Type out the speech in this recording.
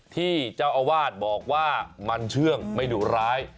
ที่เจ้าอาวาสบอกว่ามันเชื่องไม่ดุร้าย